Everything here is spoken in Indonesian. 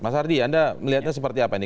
mas ardi anda melihatnya seperti apa ini